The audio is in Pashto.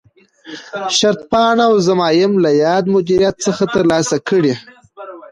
شرطپاڼه او ضمایم له یاد مدیریت څخه ترلاسه کړي.